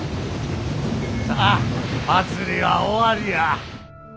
さぁ祭りは終わりや！